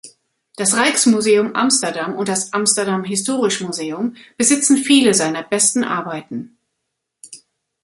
Das Rijksmuseum Amsterdam und das Amsterdam Historisch Museum besitzen viele seiner besten Arbeiten.